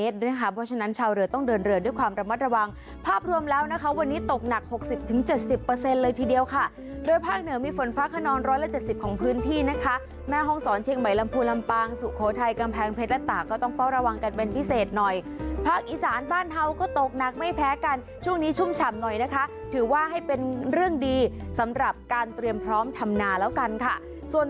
ถึง๗๐เลยทีเดียวค่ะด้วยภาคเหนือมีฝนฟ้าคนนร้อยละ๗๐ของพื้นที่นะคะแม่ห้องศรเชียงใหม่ลำพูลำปางสุโขทัยกำแพงเพชรและตาก็ต้องเฝ้าระวังกันเป็นพิเศษหน่อยภาคอีสานบ้านเท้าก็ตกนักไม่แพ้กันช่วงนี้ชุ่มฉ่ำหน่อยนะคะถือว่าให้เป็นเรื่องดีสำหรับการเตรียมพร้อมทำนาแล้วกันค่ะส่วน